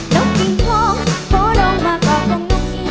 นกกิ้งพ้องพอลงมาก่อก็งบทิ้ง